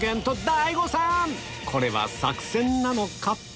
これは作戦なのか？